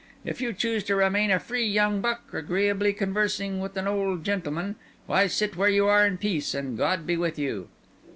If you choose to remain a free young buck, agreeably conversing with an old gentleman—why, sit where you are in peace, and God be with you."